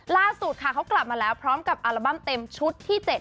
ล่าสุดค่ะเขากลับมาแล้วพร้อมกับอัลบั้มเต็มชุดที่๗